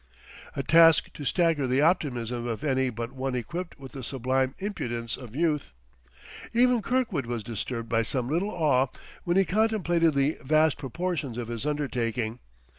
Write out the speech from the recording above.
A task to stagger the optimism of any but one equipped with the sublime impudence of Youth! Even Kirkwood was disturbed by some little awe when he contemplated the vast proportions of his undertaking.